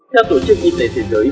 theo tổ chức y tế thế giới